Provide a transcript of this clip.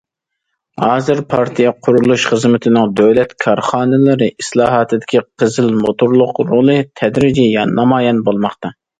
ھازىر، پارتىيە قۇرۇلۇشى خىزمىتىنىڭ دۆلەت كارخانىلىرى ئىسلاھاتىدىكى« قىزىل موتورلۇق» رولى تەدرىجىي نامايان بولماقتا.